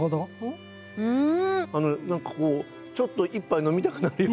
何かこうちょっと一杯飲みたくなるような。